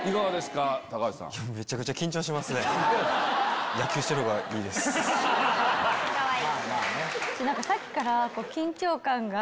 かわいい！